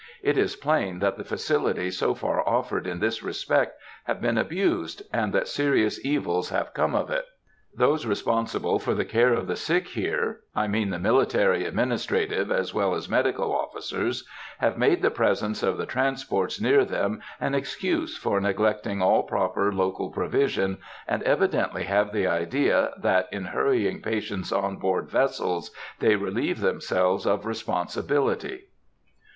It is plain that the facilities so far offered in this respect have been abused, and that serious evils have come of it. Those responsible for the care of the sick here—I mean the military administrative as well as medical officers—have made the presence of the transports near them an excuse for neglecting all proper local provision, and evidently have the idea that, in hurrying patients on board vessels, they relieve themselves of responsibility.